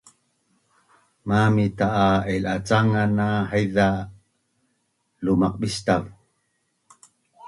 Mamita’ a ailacangan na haiza lumaqbistav